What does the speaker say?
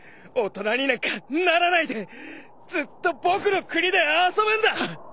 大人になんかならないでずっと僕の国で遊ぶんだ！